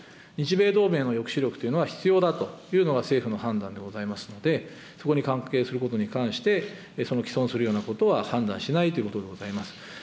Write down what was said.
日米同盟の抑止力というのは必要だというのが政府の判断でございますので、そこに関係することに関して、その棄損するようなことは判断しないということでございます。